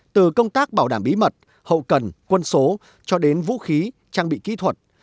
từ công tác bảo đảm bí mật hậu cần quân số cho đến vũ khí trang bị kỹ thuật